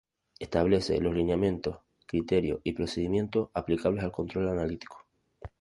Establece los lineamientos, criterios y procedimientos aplicables al control analítico.